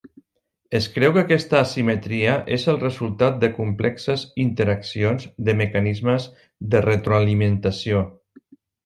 Es creu que aquesta asimetria és el resultat de complexes interaccions de mecanismes de retroalimentació.